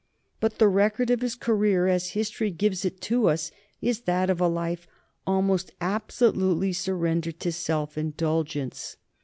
But the record of his career as history gives it to us is that of a life almost absolutely surrendered to self indulgence.